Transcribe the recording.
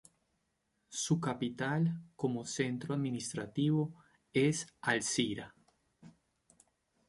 Su capital, como centro administrativo, es Alcira.